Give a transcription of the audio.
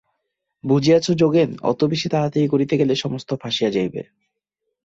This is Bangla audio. বুঝিয়াছ যোগেন, অত বেশি তাড়াতাড়ি করিতে গেলে সমস্ত ফাঁসিয়া যাইবে।